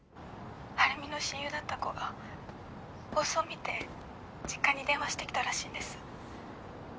晴美の親友だった子が放送見て実家に電話してきたらしいんです。